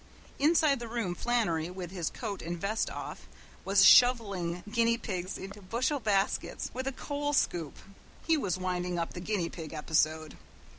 Inside the room Flannery, with' his coat and vest off, was shoveling guinea pigs into bushel baskets with a coal scoop. He was winding up the guinea pig episode.